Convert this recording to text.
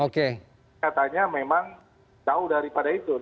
katanya memang jauh daripada itu